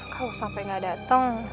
kalo sampai gak dateng